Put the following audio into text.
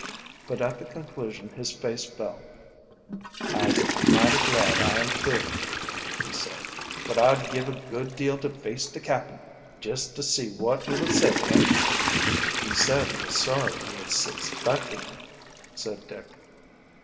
But at the conclusion his face fell. "Ise mighty glad I am cleared," he said. "But I'd give a good deal to face de cap'n jest to see wot he would say, eh?" "He said he was sorry he had suspected you," said Dick.